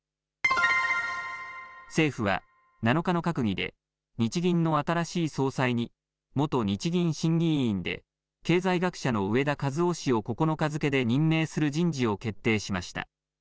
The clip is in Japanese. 政府は７日の閣議で日銀の新しい総裁に元日銀審議委員で経済学者の植田和男氏を９日付けで任命する人事を決定しました。